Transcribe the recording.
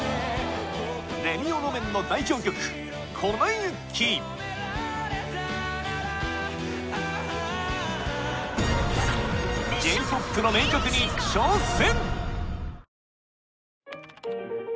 レミオロメンの代表曲『粉雪』染められたならＪ−ＰＯＰの名曲に挑戦！